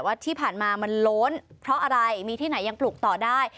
ว่าที่ผ่านมามันโล้นเพราะอะไรมีที่ไหนยังปลูกต่อได้